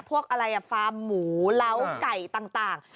พวกแพ้มหมูเหล้าไก่ต่าง